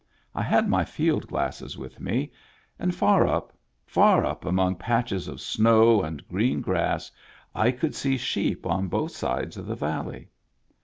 I had my field glasses with me, and far up, far up among patches of snow and green grass, I could see sheep on both sides of the valley.